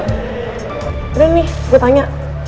udah nih gua tanya